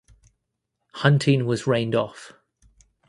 Hunting was rained off.